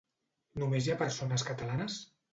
Només hi ha persones catalanes?